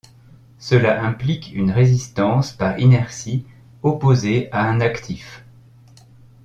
Cela implique une résistance par inertie, opposée à un actif.